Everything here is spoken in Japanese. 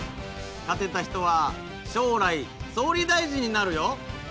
勝てた人は将来総理大臣になるよ。